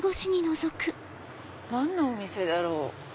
何のお店だろう？